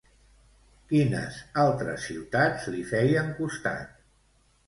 Quines altres ciutats li feien costat?